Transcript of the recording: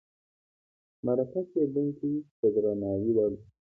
مرکه کېدونکی د درناوي وړ دی.